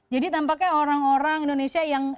jadi tampaknya orang orang indonesia yang